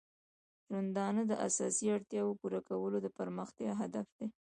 د ژوندانه د اساسي اړتیاو پوره کول د پرمختیا هدف دی.